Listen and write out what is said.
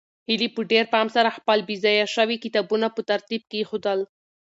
هیلې په ډېر پام سره خپل بې ځایه شوي کتابونه په ترتیب کېښودل.